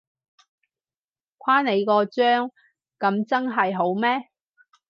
誇你個張，噉真係好咩？